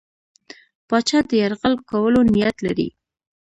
پاچا د یرغل کولو نیت لري.